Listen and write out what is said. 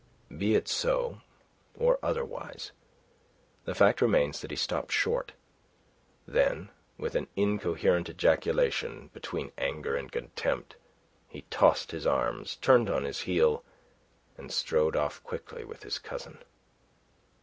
Be it so or otherwise, the fact remains that he stopped short; then, with an incoherent ejaculation, between anger and contempt, he tossed his arms, turned on his heel and strode off quickly with his cousin.